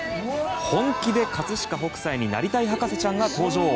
本気で葛飾北斎になりたい博士ちゃんが登場。